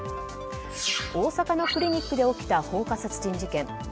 大阪のクリニックで起きた放火殺人事件。